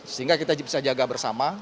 sehingga kita bisa jaga bersama